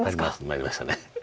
参りました。